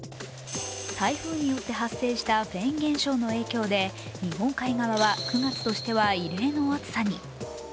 台風によって発生したフェーン現象の影響で、日本海側は９月としては異例の暑さに。